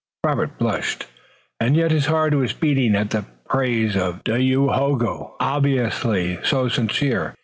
Robert blushed, and yet his heart was beating at the praise of Dayohogo, obviously so sincere.